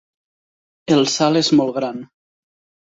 El salt és molt gran.